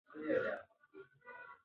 ما پخوا ټول چینلونه کتلي وو.